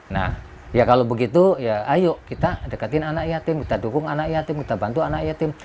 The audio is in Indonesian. nah ya kalau begitu ya ayo kita deketin anak yatim kita dukung anak yatim kita bantu anak yatim